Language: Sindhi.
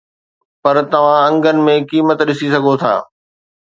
پر توهان انگن ۾ قيمت ڏسي سگهو ٿا